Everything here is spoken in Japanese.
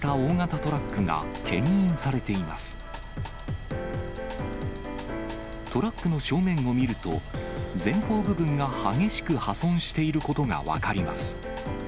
トラックの正面を見ると、前方部分が激しく破損していることが分かります。